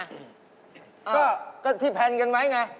ก็ก็ที่แพลนกันไหมไง